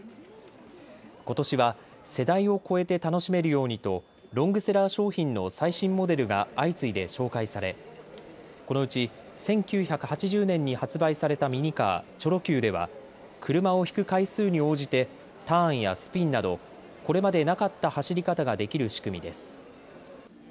ことしは世代を超えて楽しめるようにとロングセラー商品の最新モデルが相次いで紹介されこのうち１９８０年に発売されたミニカー、チョロＱでは車を引く回数に応じてターンやスピンなどこれまでなかった走り方ができる仕組みです。